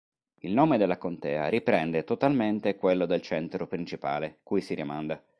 Il nome della contea riprende totalmente quello del centro principale, cui si rimanda.